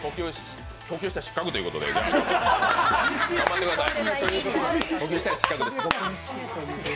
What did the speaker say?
呼吸したら失格ということで、頑張ってください。